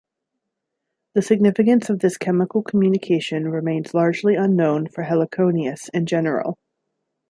The significance of this chemical communication remains largely unknown for "Heliconius" in general.